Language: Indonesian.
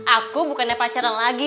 aku bukannya pacaran lagi